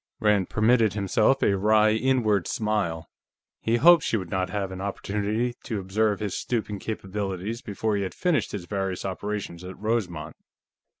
Rand permitted himself a wry inward smile. He hoped she would not have an opportunity to observe his stooping capabilities before he had finished his various operations at Rosemont.